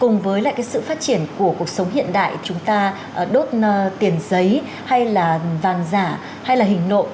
cùng với lại cái sự phát triển của cuộc sống hiện đại chúng ta đốt tiền giấy hay là vàng giả hay là hình nộ